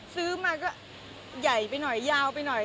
ซื้อมาก็ใหญ่ไปหน่อยยาวไปหน่อย